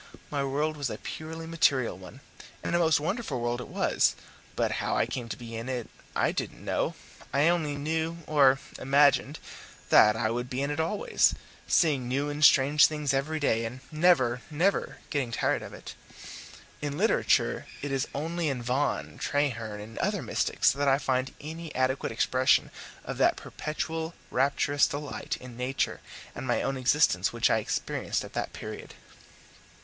My world was a purely material one, and a most wonderful world it was, but how I came to be in it I didn't know; I only knew (or imagined) that I would be in it always, seeing new and strange things every day, and never, never get tired of it. In literature it is only in Vaughan, Traherne, and other mystics, that I find any adequate expression of that perpetual rapturous delight in nature and my own existence which I experienced at that period.